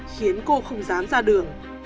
khiến cô không dám ra đường